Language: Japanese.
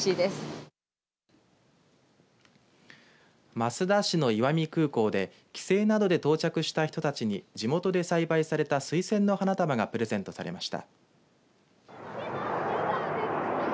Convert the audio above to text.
益田市の石見空港で帰省などで到着した人たちに地元で栽培された水仙の花束がプレゼントされました。